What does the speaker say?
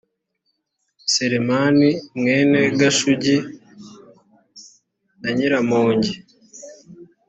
selemani mwene gashugi na nyiramongi